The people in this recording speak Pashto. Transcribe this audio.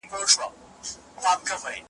ورته راغلل غوري ګان د پولاوونو `